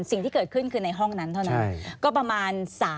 สิ่งที่เกิดขึ้นคือในห้องนั้นเท่านั้น